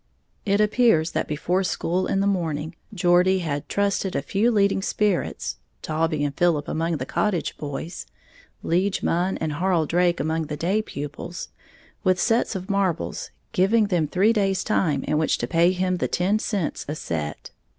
It appears that before school in the morning Geordie had "trusted" a few leading spirits (Taulbee and Philip among the cottage boys, Lige Munn and Harl Drake among the day pupils) with sets of marbles, giving them three days' time in which to pay him the ten cents a set.